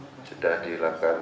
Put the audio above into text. jadi sudah dilakukan